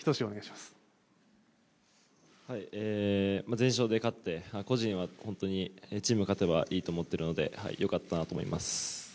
全勝で勝って、個人はチームが勝てばいいと思っているのでよかったなと思います。